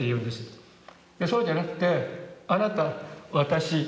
そうじゃなくてあなた私。